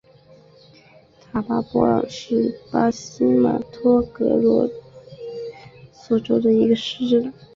塔巴波朗是巴西马托格罗索州的一个市镇。